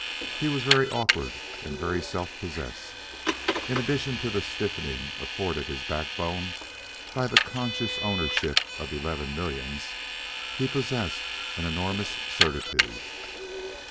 He was very awkward and very self possessed. In addition to the stiffening afforded his backbone by the conscious ownership of eleven millions, he possessed an enormous certitude.